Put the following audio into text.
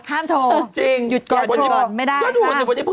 ไม่ต้องหาใคร